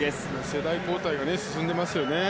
世代交代が進んでいますよね。